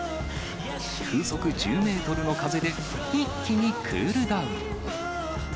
風速１０メートルの風で、一気にクールダウン。